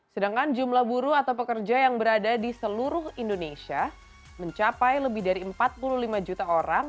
sedangkan jumlah buruh atau pekerja yang berada di seluruh indonesia mencapai lebih dari empat puluh lima juta orang